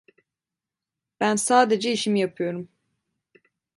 Ben sadece işimi yapıyorum.